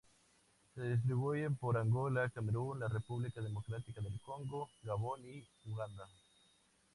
Se distribuyen por Angola; Camerún; la República Democrática del Congo; Gabón y Uganda.